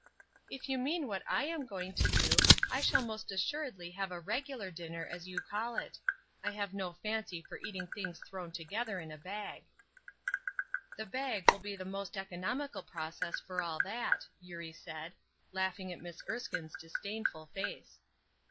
"If you mean what I am going to do, I shall most assuredly have a 'regular' dinner, as you call it. I have no fancy for eating things thrown together in a bag." "The bag will be the most economical process for all that," Eurie said, laughing at Miss Erskine's disdainful face.